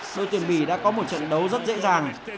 đội tuyển bỉ đã có một trận đấu rất dễ dàng